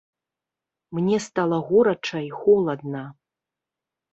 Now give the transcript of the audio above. Мне стала горача і холадна.